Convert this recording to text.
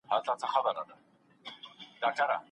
اوښکي چي مي پښو ته در لېږلې اوس یې نه لرم